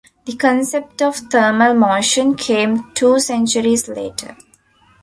The concept of thermal motion came two centuries later.